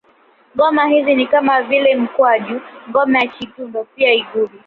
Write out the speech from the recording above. Ngoma hizo ni kama vile mkwaju ngoma ya chidugo pia igubi